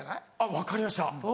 分かりました。